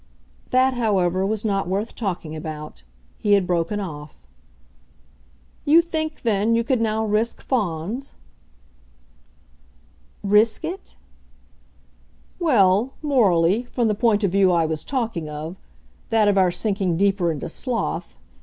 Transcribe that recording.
That, however, was not worth talking about; he had broken off. "You think then you could now risk Fawns?" "'Risk' it?" "Well, morally from the point of view I was talking of; that of our sinking deeper into sloth.